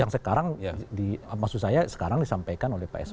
sekarang maksud saya sekarang disampaikan oleh pak sp